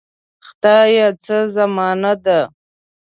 خدایه څه زمانه ده.